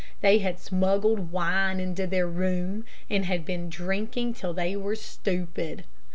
They had smuggled wine into their room and had been drinking till they were stupid.